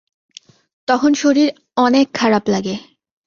তখন শরীর অনেক খারাপ লাগে।